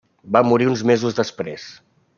Va morir uns mesos després.